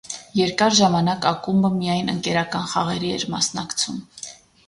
Երկար ժամանակ ակումբը միայն ընկերական խաղերի էր մասնակցում։